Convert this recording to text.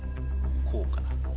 こうかな。